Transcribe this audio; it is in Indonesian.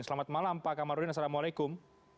selamat malam pak kamarudin assalamualaikum